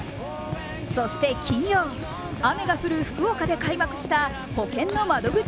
そして金曜、雨が降る福岡で開幕したほけんの窓口